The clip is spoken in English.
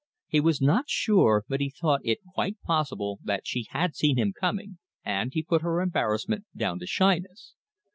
He was not sure, but he thought it quite possible that she had seen him coming, and he put her embarrassment down to shyness.